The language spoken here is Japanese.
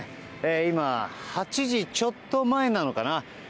今、８時ちょっと前なのかな。